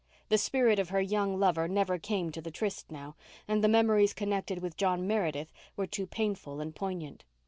The spirit of her young lover never came to the tryst now; and the memories connected with John Meredith were too painful and poignant.